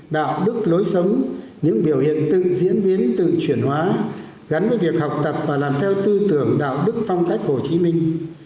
đạo đức lối sống những biểu hiện tự diễn biến tự chuyển hóa gắn với việc học tập và làm theo tư tưởng đạo đức phong cách hồ chí minh